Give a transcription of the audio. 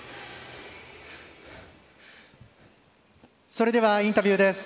それではインタビューです。